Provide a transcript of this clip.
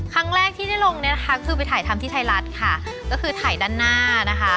ครั้งแรกที่ได้ลงเนี่ยนะคะคือไปถ่ายทำที่ไทยรัฐค่ะก็คือถ่ายด้านหน้านะคะ